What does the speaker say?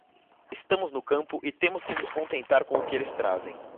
Estamos no campo e temos que nos contentar com o que eles trazem.